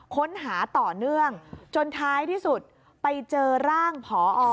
ค้นหาต่อเนื่องจนท้ายที่สุดไปเจอร่างพอ